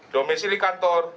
domensi di kantor